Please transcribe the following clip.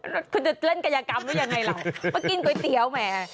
ว่ามันคือจะเล่นกายกรรมหรือยังไงมันกินขวัยเตี๊ยวแหม